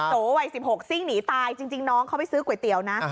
โตว์วัยสิบหกซิ่งหนีตายจริงจริงน้องเขาไปซื้อก๋วยเตี๋ยวนะ